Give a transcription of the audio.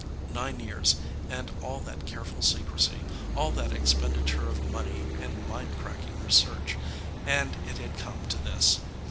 Nine years, and all that careful secrecy, all that expenditure of money and mind cracking research and it had come to this.